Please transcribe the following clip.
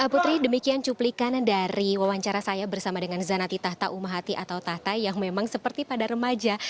putri demikian cuplikan dari wawancara saya bersama dengan zanati tahta umahati atau tahta yang memang seperti pada remaja